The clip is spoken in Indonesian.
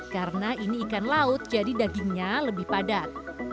karena ini ikan laut jadi dagingnya lebih padat